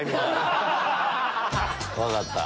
分かった。